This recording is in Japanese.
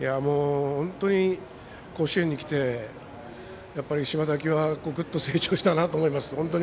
本当に甲子園に来て島瀧はグッと成長したなと思います。